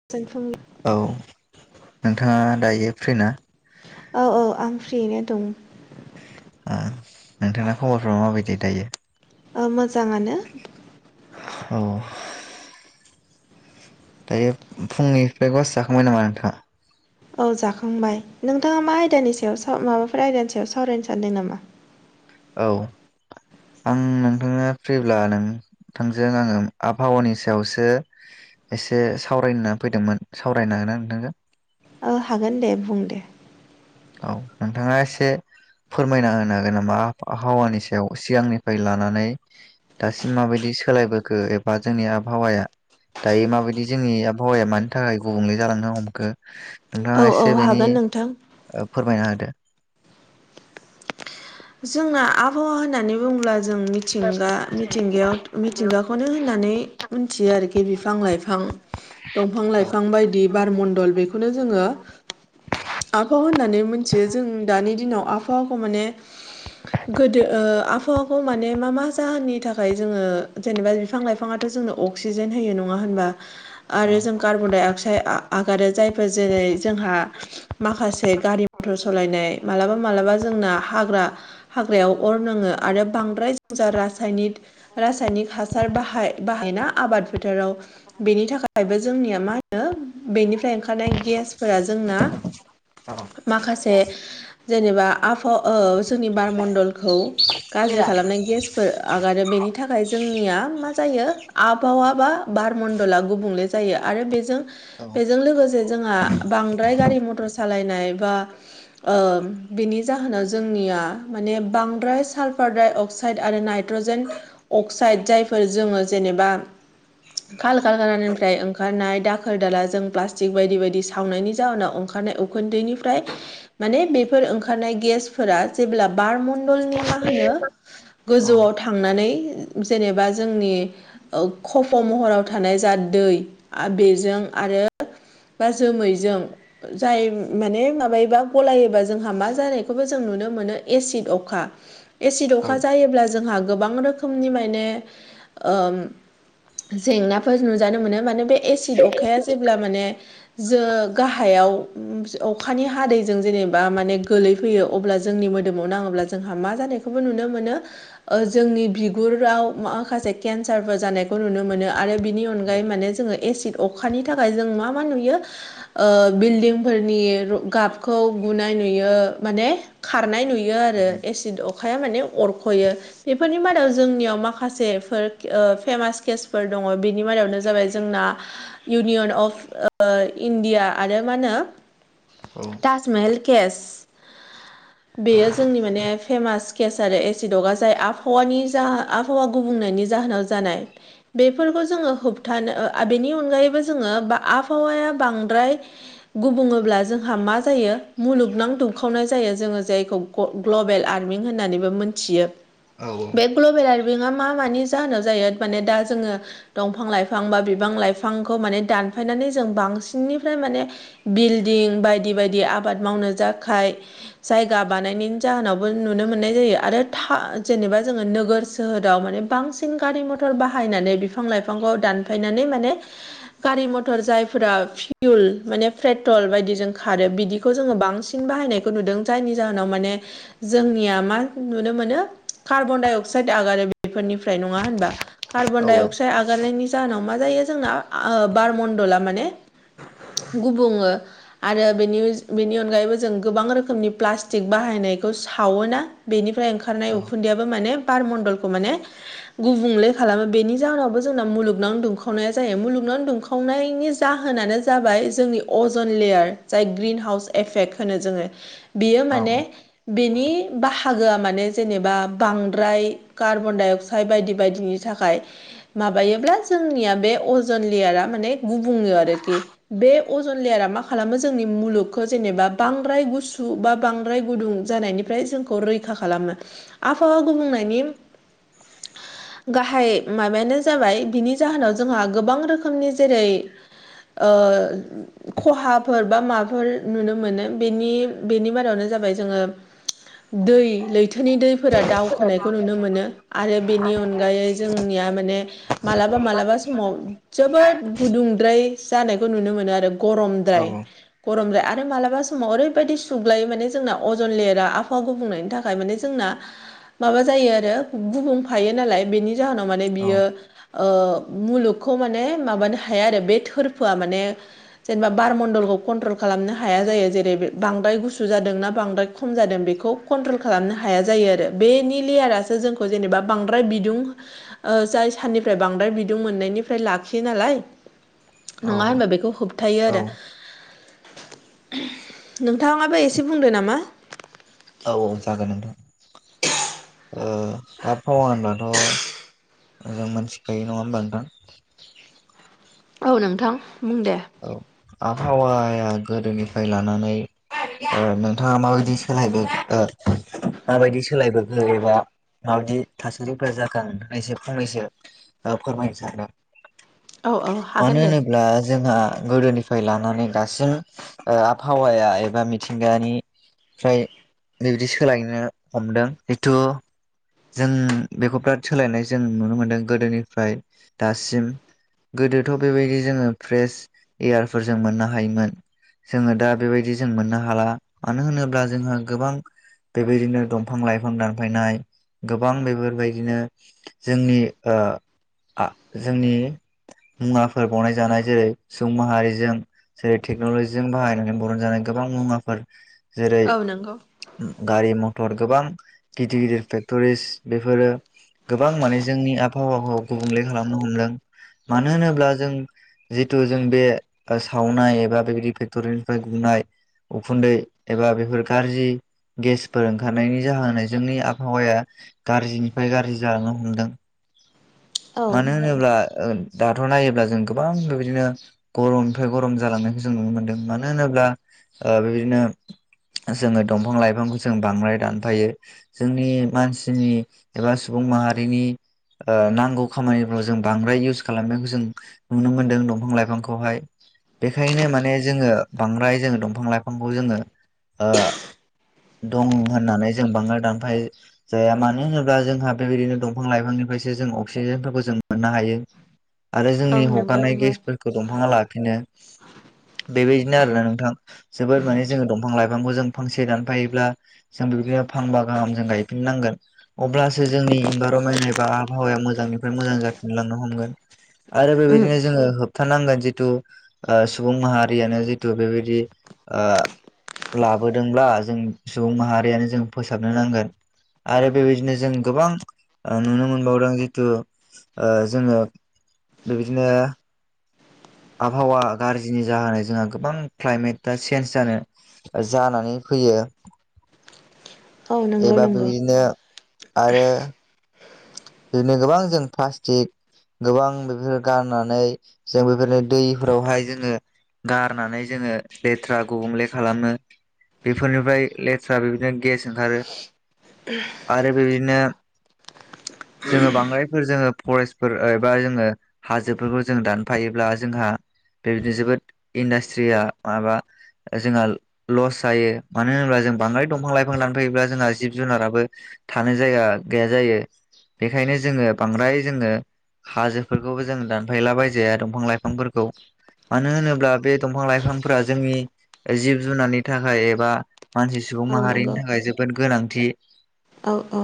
[unintelligible] औ नोंथाङा दायो फ्रिना औ औ आं फ्रियैनो दं आ नोंथांना खबरफ्रा माबायदि दायो ओ मोजाङानो औ दायो फुंनि ब्रेकफास्टस जाखांबाय नामा नोंथाङा औ जाखांबाय नोंथाङा मा आयदानि सायाव साव माबाफोर आयदानि सायाव सावरायनो सानदों नामा औ आं नोंथाङा फ्रिब्ला नों थांजों आङो आबहावानि सायावसो एसे सावरायना होनना फैदोंमोन सावरायनो हागोनना नोंथांजों ओ हागोन दे बुं दे औ नोंथाङा एसे फोरमायना होनो हागोन नामा आहावानि सायाव सिगांनिफ्राय लानानै दासिम माबायदि सोलायबोखो एबा जोंनि आबहावाया दायो माबायदि जोंनि आबहावाया मानि थाखाय गुबुंले जालांनो हमखो औ नोंथाङा औ एसे बेनि हागोन नोंथां ओ फोरमायना होदो। जोंना आबहावा होननानै बुङोब्ला जों मिथिंगा मिथिंगायाव मिथिंगा खौनो होननानै मोनथियो आरोखि बिफां लाइफां दंफां गैया लाइफां बायदि बारमणन्दल बे खौनो जोङो आबहाव होननानै मोनथियो जों दानि दिनाव आबहावाखौ माने गोदो ओ आबहावाखौ माने मा मा जाहोननि थाखाय जोङो जेनेबा बिफां लाइ फाङाथ' जोंनो अक्सिजेन होयो नङा होनबा आरो औ जों कार्बन डाइ अक्साइड आ आगारो जायफोर जेरै- जोंहा माखासे गारि मथर सलायनाय मालाबा मालाबा जोंना हाग्रा हाग्रायाव अर नोङो आरो बांद्राय जों जा रासायनिक रासायनिक हासार बाहाय बाहायना आबाद फोथाराव बेनि थाखायबो जोंनिया मा होनो बेनिफ्राय ओंखारनाय गेसफोरा जोंना माखासे जेनेबा आब ओ जोंनि बारमण्न्दलखौ गाज्रि खालामनाय गेस फोर आगारो बेनि थाखाय जोंनिया मा जायो आबहावा बा बारमण्डला गुबुंले जा जायो आरो बेजों बेजों लोगोस से जोंहा बांद्राय गारि मटर सालायनाय बा ओ बेनि जाहोनाव जोंनिया माने बांद्राय सालफार डाइ अक्साइड आरो नाइट्रजेन अक्साइड जायफोर जोङो जेनेबा काल कारखानानिफ्राय ओंखारनाय दाखोर दाला जों प्लास्टिक बायदि बायदि सावनायनि जाउनाव ओंखा खारनाय उखोनदैनिफ्राय माने बेफोर ओंखा खारनाय गेसफोरा जेब्ला बारमण्डलनि मा होनो गोजौआव था थांनानै जेनेबा जोंनि ओ खफ' महराव थानाय जा दै आ बेजों आरो बा जोमैजों जाय माने माबायोबा गलायोबा जोंहा मा जानायखौबो जों नुनो मोनो एसिद अखा एसिद अखा जायोब्ला जोंहा गोबां रो खोमनि माने ओम जेंनाफोर नुजानो मोनो माने बे एसिड अखाया जेब्ला माने जो गाहायाव अखानि हादैजों जेनेबा माने गोलैफैयो अब्ला जोंनि मोदोमाव नाङोब्ला जोंहा मा जानायखौबो नुनो मोनो ओ जोंनि बिगुराव माखासे केन्सारफोर जानायखौ नुनो मोनो आरो बिनि अनगायै माने जोङो एसिड अखानि थाखाय जों मा मा नुयो ओ बिल्दिंफोरनि र गाबखौ गुनाय नुयो। माने खारनाय नुयो आरो एसिड अखाया माने अरख'यो बेफोरनि मादाव जोंनियाव माखासेफोर ओ फेमास केसफोर दङ बेनि मादावनो जाबाय जोंना इउनियन अफ ओ इण्डिया आरो मा होनो औ सिमेइल केस बेयो जोंनि माने फेमास केस आरो एसिडअखा जाय आबहावानि जा आबहावा गुबुंनायनि जाहोनाव जानाय बेफोरखौ जोङो होबथानो ओ बेनि अनगायैबो जोङो बा आबहावाया बांद्राय गुबुङोब्ला जोंहा मा जायो मुलुगनां दुं खावनाय जायो जोङो जायखौ ग-ग्लबेल वार्मिं होननानैबो मोनथियो। बे ग्लबेल वारमिंआ मा मानि जाहोनाव जायो माने दा जोङो दंफां लाइफां बा बिफां लाइफांखौ माने दानफायनानै जों बांसिननिफ्राय माने बिल्डिं बायदि बायदि आबाद मावनो जाखाय जायगा बानायनायनि जाहोनावबो नुनो मोननाय जायो आरो था जेनेबा जोङो नोगोर [unintelligible] माने बांसिन गारि मथर बाहायनानै बिफां- लाइफांखौ दानफायनानै माने गारि मथर जायफोरा फिउल माने पेट्रल बायदि जों खारो बिदिखौ जोङो बांसिन [unintelligible] बाहायनायखौ नुदों जायनि जाहोनाव माने जोंनिया मा नुनो मोनो कार्बन -डाइ -अक्साइद आगारो बेफोरनिफ्राय नङा होनबा? कार्बन -डाइ -अक्साइड आगारनायनि जाहोनाव मा जायो जोंना बारमण्डला माने गुबुङो आरो बेनि -बेनि अनगायैबो [unintelligible] जों गोबां रोखोमनि प्लास्टिक बाहायनायखौ सावोना, बेनिफ्राय ओंखारनाय उखुन्दै माने बार मण्डलखौ माने गुबुंले खालामो बेनि जाहोनावबो जोंना मुलुगनां दुंखावनाया जायो। मुलुगनां दुंखाव -नायनि जाहोनानो जाबाय जोंनि अजन लेयार जाय ग्रिन हाउस एफेक्ट होनो जोङो बियो माने बेनि बाहागोआ माने जेनेबा बांद्राय कार्बन -डाइ -अक्साइड बायदि बायदिनि थाखाय माबायोब्ला जोंनिया बे अजन लेयारा माने गुबुङो आरोखि। बे अजन लेयारा मा खालामो जोंनि मुलुगखौ जेनेबा बांद्राय गुसु बा बांद्राय गुदुं जानायनिफ्राय जोंखौ रैखा खालामो। आबहावा गुबुंनायनि [unintelligible] गाहाय माबायानो जाबाय बिनि जाहोनाव जोंहा गोबां रोखोमनि जेरै ओ खहाफोर बा माफोर नुनो मोनो। बिनि -बिनि बारावनो जाबाय जोङो दै लैथोनि दै -फोरा दावखोनायखौ नुनो मोनो आरो बेनि अनगायै जोंनिया माने मालाबा मालाबा समाव जोबोद गुदुंद्राय जानायखौ नुनो मोनो आरो। गरमद्राय -गरमद्राय आरो मालाबा समाव ओरैबायदि सुग्लायायो माने जोंना अजन लेयारा आबहावा गुबुंनायनि थाखाय माने जोंना माबा जायो आरो गुबुंफायो नालाय बेनि जाहोनाव माने बियो ओ मुलुगखौ माने माबानो हाया आरो बे थोरफोआ माने जेनेबा बारमण्डलखौ कन्ट्रल खालामनो हाया जायो [unintelligible] [unintelligible] बांद्राय गुसु जादों ना बांद्राय खम जादों बेखौ कन्ट्रल खालामनो हाया जायो आरो बेनि लेयारा जोंखौ जेनेबा बांद्राय बिदुं ओ जाय साननिफ्राय बांद्राय बिदुं मोननायनिफ्राय लाखियो नालाय नङा होनबा बेखौ होबथायो आरो। नोंथाङाबो एसे बुंदों नामा? औ औ जागोन नोंथां ‌। ओ आबहावा होनब्लाथ' जों मोनथिखायो नङा होमबा नोंथां? औ नोंथां बुं दे। औ आबहावाया गोदोनिफ्राय लानानै ओ नोंथाङा माबायदि सोलायबो ओ माबायदि सोलायबोखो एबा [unintelligible] माबायदि थासारिफोरा जाखो होननानै ससे फंनैसो फोरमायनो सानदों। औ औ मानो हागोन दे होनोब्ला जोंहा गोदोनिफ्राय लानानै दासिम ओ आबहावाया एबा मिथिंगानि ओमफ्राय बेबायदि सोलायनो हमदों जिथु जों बेखौ बिराद सोलायनाय जों नुनो मोनदों गोदोनिफ्राय दासिम गोदोथ' बेबायदि जोङो फ्रेश एयारफोरजों मोननो हायोमोन। जोङो दा बेबायदि जों मोननो हाला मानो होनोब्ला जोंहा गोबां बेबायदिनो दंफां- लाइफां दानफायनाय गोबां बेफोरबायदिनो जोंनि ओ आ जोंनि मुवाफोर बानाय जानाय जेरै सुबुं माहारिजों जेरै टेक्न'लजिजों बाहायनानै बरन जानाय गोबां मुवाफोर जेरै औ नंगौ गारि मथर गोबां गिदिर- गिदिरफोर टुरिस्ट बेफोरो गोबां माने जोंनि आबहावाखौ गुबुंले खालामनो हमदों। मानो होनोब्ला जों जितु जों बे सावनाय एबा बेबायदि फेक्ट'रिनिफ्राय गुंनाय उखुन्दै एबा बेफोर गाज्रि गेसफोर ओंखारनायनि जाहोनाव जोंनि आबहावाया गाज्रिनिफ्राय गाज्रि जालांनो हमदों। औ मानो होनोब्ला नंगौ दाथ' नायोब्ला जों गोबां बेबायदिनो गरमनिफ्राय गरम जालांनायखौ जों नुनो मोनदों। मानो होनोब्ला बेबायदिनो जोङो दंफां- लाइफांखौ जों बांद्राय दानफायो जोंनि मानसिनि एबा सुबुं माहारिनि ओ नांगौ नांगौ खामानिफ्राव जों बांद्राय इउस खालामनायखौ जों नुनो मोन्दों दंफां लाइफांखौहाय बेखायनो माने जोङो बांद्राय जोङो दंफां -लाइफांखौ जोङो ओ दं होननानै जों बांद्राय दांफाय जाया मानो होनोब्ला जोंहा बेबायदिनो दंफां- लाइफांनिफ्रायसो जों अक्सिजेनफोरखौ जों मोननो हायो आरो औ जोंनि नंगौ हगारानाय नंगौ गेस दंफाङा लाफिनो बेबायदिनो आरो ना नोंथां जोबोद माने जोङो दंफां लाइफांखौ जों फांसे दानफायोब्ला जों बिबायदिनो फांबा गाहाम जों गायफिननांगोन अब्लासो जोंनि इनभारमेन्ट एबा आबहावाया मोजां मोजांनिफ्राय मोजां जाफिनलांनो हमगोन आरो उम। बेबायदिनो जोङो होबथारानांगोन जिथु सुबुं माहारियानो जिथु बेबायदि लाबोदोंब्ला जों सुबुं माहारियानो जों फोसाबनो नांगोन। आरो बेबायदिनो जों गोबां नुनो मोनबावदों ओ जोङो बेबायदिनो आबहावा गाज्रिनि जाहोनै जोंहा गोबां क्लाइमेटा चेन्ज जानो जानानै फैयो औ नंगौ एबा नंगौ बिदिनो आरो बिदिनो गोबां जों प्लास्टिक गोबां बेफोर गाननानै जों बेफोरनो दैफोरावहाय जोङो गारनानै जोङो लेथ्रा गुबुंले खालामो बेफोरनिफ्राय लेथ्रा बेदिनो गेस ओंखारो आरो बेबायनो जोङो बांद्रायफोर जोङो फरेस्टफोर एबा जोङो हाजोफोरखौ जो दानफायोब्ला जोंहा बेबायदिनो जोबोद इन्डास्ट्रिया माबा जोंहा लस जायो मानो होनोब्ला जों बांद्राय दंफां- लाइफां लानफैयोब्ला जोंहा जिब -जुनाराबो थानो जायगा गैया जायो बेखायनो जोङो बांद्राय जोङो हाजोफोरखौबो जों दानफायलाबायजाया दंफां लाइफांफोरखौ मानो होनोब्ला बे दंफां -लाइफांफोरा जोंनि जिब जुनारनि थाखाय एबा मानसि सुबुं औ नंगौ माहारिनि थाखाय जोबोद गोनांथि औ औ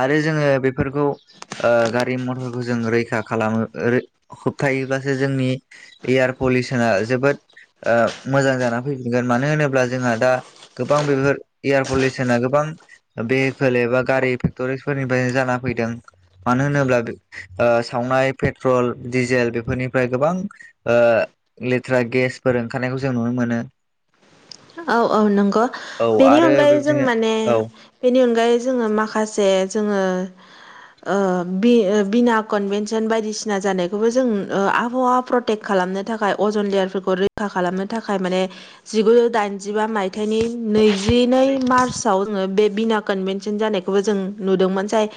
आरो जोङो बेफोरखौ गारि मथरखौ जों रैखा खालामो होबथायबसो जोंनि एयार पलिउसना जोबोद मोजां जानानै फैफिनगोन मानो होनोब्ला जोंहा दा गोबां बेफोर एयार पलिउसना गोबां भेहिकेल एबा गारि फेक्ट'रि फोरनिफ्रायनो जाना फैदों। मानो होनोब्ला सावनाय पेट्रल डिजेल बेफोरनिफ्राय गोबां लेथ्रा गेसफोर ओंखारनायखौ जों नुनो मोनो। औ औ नंगौ औ बेनि आरो अनगायै जों बेबदिनो माने औ बेनि अनगायै जोङो माखासे जोङो बिना कनभेनसन बायदिसिना जानायखौबो जों आबहावा प्रे खालामनो थाखाय अजन लेयारफोरखौ रैखा खालामनो थाखाय माने जिगुजौ दाइन बजिबा मायथाइनि नैजिनै मार्चआव जोङो बे बिना कनभेनसन जानायखौबो जों नुदोंमोन जाय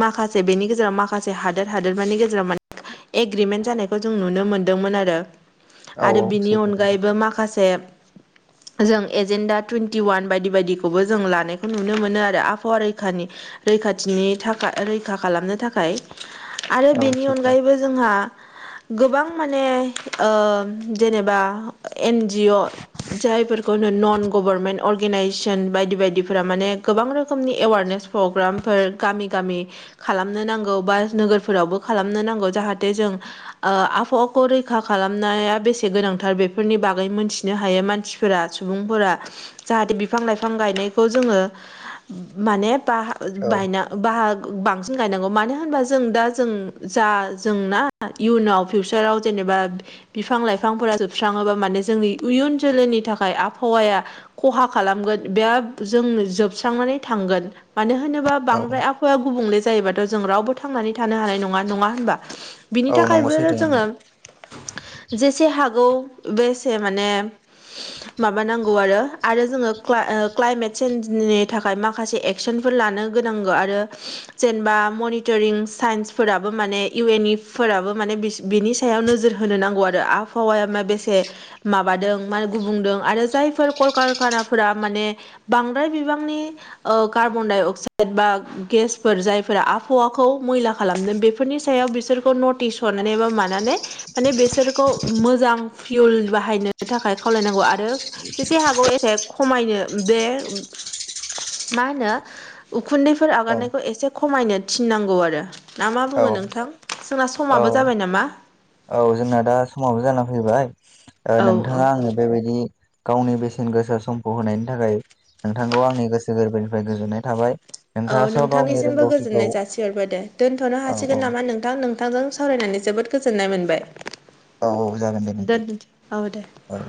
माखासे बेनि गेजेराव माखासे हादोर हादोरमानि गेजेराव मान एग्रेमेन्ट जानायखौ जों नुनो मोनदोंमोन आरो। औ आरो औ बिनि सैथो नोंथां अनगायैबो माखासे जों एजेन्डा टुवन्टि वान बायदि बायदिखौबो जों लानायखौ नुनो मोनो आरो आबहावा रैखानि रैखाथिनि थाखा रैखा खालामनो थाखाय आरो औ बेनि सैथो अनगायैबो जोंहा गोबां माने ओ जेनेबा एन जि अ जायफोरखौनो न'न गभारनमेन्ट अर्गेनाइजेसन बायदि बायदिफोरा माने गोबां रोखोमनि एवारनेस प्रग्रामफोर गामि गामि खालामनो नांगौ बा नोगोरफोरावबो खालामनो नांगौ जाहाथे जों ओ आबहावाखौ रैखा खालामनाया बेसे गोनांथार बेफोरनि बागै मोनथिनो हायो मान सिफोरा सुबुंफोरा जाहाथे बिफां लाइफां गायनायखौ जोंङो माने बाहा बायना बाहाग बांसिन गायनांगौ मानो होनबा जों दा जों जा जोंना आ इयुनाव फिउचाराव जेनेबा बिफां लाइफांफोरा जोबस्रांङोबा माने जोंनि उयुन जोलैनि थाखाय आफावाया खहा खालामगोन बेयाब जों जोबस्रांनानै थांगोन। मानो होनोबा औ औ बांद्राय आबहावाया गुबुंले जायोबाथ' जों रावबो थांनानै थानो हानाय नंङा नंङा होनबा? बिनि औ नंगौ थाखायबोरो सैथो नोंथां जोंङो जेसे हागौ बेसे माने माबा नां गौ आरो आरो जोंङो क्ला क्लाइमेट चेन्जनि थाखाय माखासे एक्सनफोर लानो गोनांगौ आरो जेनेबा मनिटरिं साइन्सफोराबो माने इउ एन इ फोराबो माने बिसि बिनि सायाव नोजोर होनो नांगौ आरो आबहावाया मा बेसे माबादों मा गुबुंदों आरो जायफोर कलकारखानाफोरा माने बांद्राय बिबांनि ओ कार्बन डाइ अक्साइड बा गेसफोर जायफोरा आबहावाखौ मैला खालामदों बे फोरनि सायाव बिसोरखौ नटिस हरनानै बा मानानै माने बेसोरखौ मोजां फिउल बाहायनो थाखाय खावलायनांगौ आरो जेसे हागौ एसे खमायनो बे मा होनो उखुन्दैफोर औ आगारनायखौ एसे खमायनो थिननांगौ आरो। ना मा औ बुंङो नोंथां जोंना औ समाबो जाबाय नामा? औ जोंना दा समावबो जाना फैबाय ओ औ औ नोंथांङा आंनो बेबायदि गावनि बेसेन गोसा समखौ होनायनि थाखाय नोंथांखौ आंनि गोसो गोरबोनिफ्राय गोजोननाय थाबाय। औ नोंथाङास' गावनि नोंथांनिसिमबो रोंगौथिखौ गोजोननाय औ जासिहरबाय दे दोनथ'नो औ हासिगोन नामा नोंथां नों थांजों सावरायनानै जोबोद गोजोननाय औ औ जागोन दे मोनबाय नोंथां दोन औ दे। औ